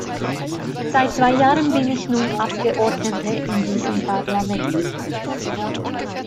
Seit zwei Jahren bin ich nun Abgeordnete in diesem Parlament.